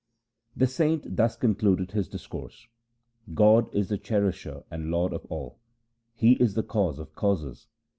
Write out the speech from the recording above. The saint thus concluded his discourse :' God is the Cherisher and Lord of all. He is the Cause of causes.